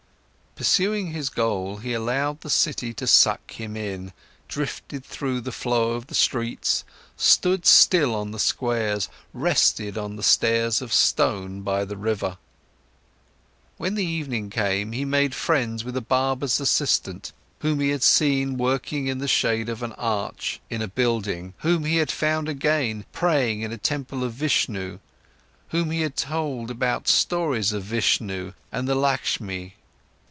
Pursuing his goal, he allowed the city to suck him in, drifted through the flow of the streets, stood still on the squares, rested on the stairs of stone by the river. When the evening came, he made friends with barber's assistant, whom he had seen working in the shade of an arch in a building, whom he found again praying in a temple of Vishnu, whom he told about stories of Vishnu and the Lakshmi.